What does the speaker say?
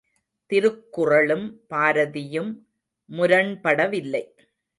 திருக்குறளும் பாரதியும் முரண்படவில்லை.